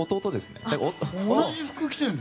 同じ服着てるの？